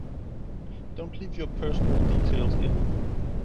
don't leave your personal details in